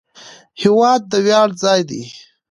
هېواد د ویاړ ځای دی.